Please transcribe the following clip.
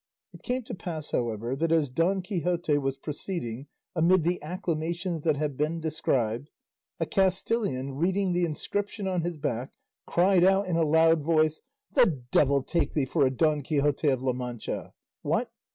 It came to pass, however, that as Don Quixote was proceeding amid the acclamations that have been described, a Castilian, reading the inscription on his back, cried out in a loud voice, "The devil take thee for a Don Quixote of La Mancha! What!